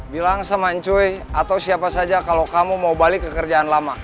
bilang samancuy atau siapa saja kalau kamu mau balik ke kerjaan lama